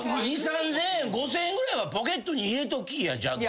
２３，０００円５，０００円ぐらいはポケットに入れときいや。